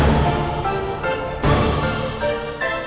jadi aldebaran udah tau kan